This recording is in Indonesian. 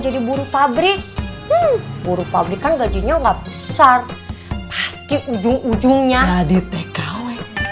jadi buru pabrik buru pabrik kan gajinya enggak besar pasti ujung ujungnya jadi tkw